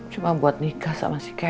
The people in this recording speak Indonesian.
cuma buat nikah sama si kek